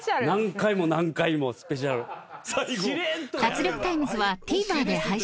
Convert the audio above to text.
何回も何回もスペシャル。